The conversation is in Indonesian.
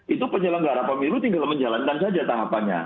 itu penyelenggara pemilu tinggal menjalankan saja tahapannya